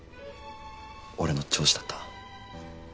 俺の上司だった。